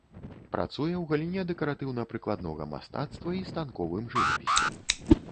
Працуе ў галіне дэкаратыўна-прыкладнога мастацтва і станковым жывапісе.